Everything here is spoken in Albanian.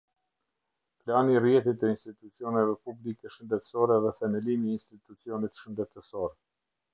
Plani i rrjetit të institucioneve publike shëndetësore dhe themelimi i institucionit shëndetësor.